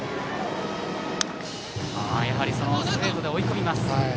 ストレートで追い込む。